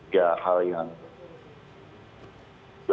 ya hal yang